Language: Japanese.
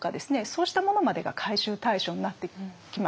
そうしたものまでが回収対象になってきます。